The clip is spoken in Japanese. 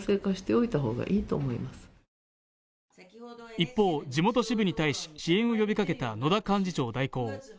一方、地元支部に対し支援を呼びかけた野田幹事長代行。